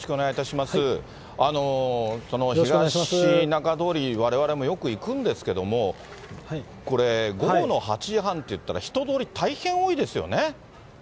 ひがし中通り、われわれもよく行くんですけれども、これ、午後の８時半っていったら、人通り大変多いですよね。